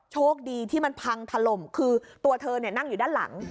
โชคดีที่มันพังถล่มคือตัวเธอนั่งอยู่ด้านหลัง